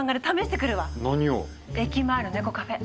駅前の猫カフェ。